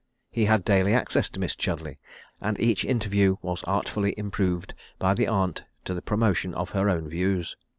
He had daily access to Miss Chudleigh; and each interview was artfully improved by the aunt to the promotion of her own views.